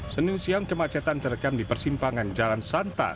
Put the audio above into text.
senin siang kemacetan terekam di persimpangan jalan santa